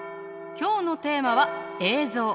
今日のテーマは「映像」。